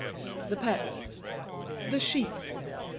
THE PETS. _THE SHEEP.